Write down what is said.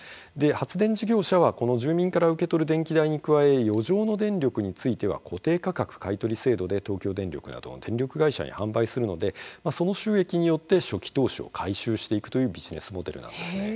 発電事業者は、この住民から受け取る電気代に加え余剰の電力については固定価格買い取り制度で東京電力などの電力会社へ販売するので、その収益によって初期投資を回収していくというビジネスモデルなんです。